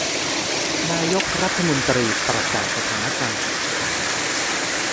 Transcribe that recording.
นายกรัฐมนตรีประกาศสถานการณ์ฉุกเฉิน